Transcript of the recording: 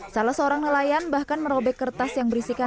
salah seorang nelayan bahkan merobek kertas yang berisikan